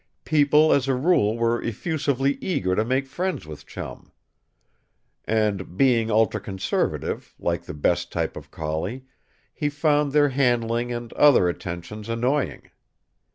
People as a rule were effusively eager to make friends with Chum. And being ultraconservative, like the best type of collie he found their handling and other attentions annoying.